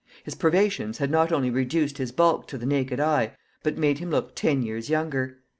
His privations had not only reduced his bulk to the naked eye, but made him look ten years younger.